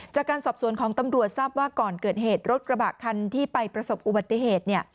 จากการสอบสวนของตำรวจทราบว่าก่อนเกิดเหตุรถกระบะคันที่ไปประสบอุบัติเหตุ